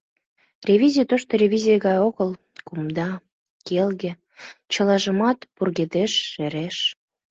Ревизий тошто ревизий гай огыл, кумда, келге, чылажымат пургедеш, шереш.